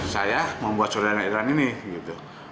saya membuat surat edaran ini gitu